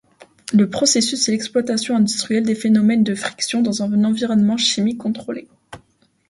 Le processus est l'exploitation industrielle des phénomènes de friction dans un environnement chimique contrôlé.